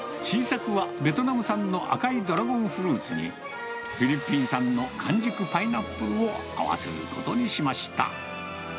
新作はベトナム産の赤いドラゴンフルーツに、フィリピン産の完熟パイナップルを合わせることにしました。